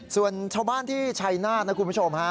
ส่วนชาวบ้านที่ชัยนาธนะคุณผู้ชมฮะ